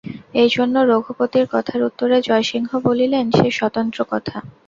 এইজন্য রঘুপতির কথার উত্তরে জয়সিংহ বলিলেন, সে স্বতন্ত্র কথা।